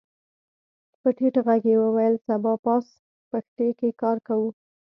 په ټيټ غږ يې وويل سبا پاس پښتې کې کار کوو.